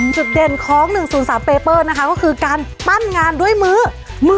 จุดเด่นของหนึ่งศูนย์สามเปเปอร์นะคะก็คือการปั้นงานด้วยมือมือ